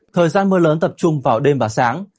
thời gian mưa lớn tập trung vào đêm và sáng